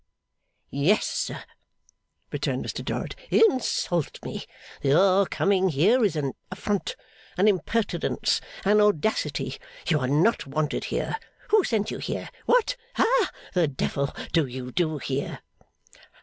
'Yes, sir,' returned Mr Dorrit. 'Insult me. Your coming here is an affront, an impertinence, an audacity. You are not wanted here. Who sent you here? What ha the Devil do you do here?